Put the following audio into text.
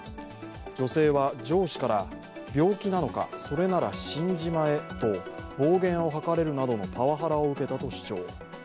女性は、上司から、病気なのか、それなら死んじまえと暴言を吐かれるなどのパワハラを受けたと主張。